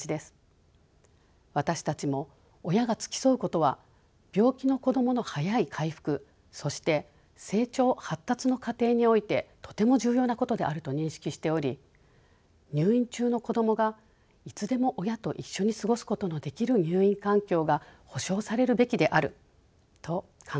私たちも親が付き添うことは病気の子どもの早い回復そして成長発達の過程においてとても重要なことであると認識しており入院中の子どもがいつでも親と一緒に過ごすことのできる入院環境が保障されるべきであると考えています。